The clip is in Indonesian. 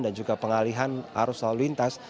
dan juga pengalihan arus lalu lintas